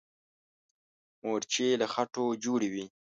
مورچې له خټو جوړې وي.